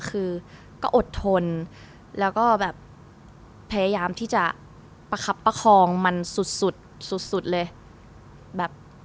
คือก็อดทนแล้วก็แบบพยายามที่จะประคับประคองมันสุดสุดเลยแบบ